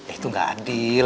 itu gak adil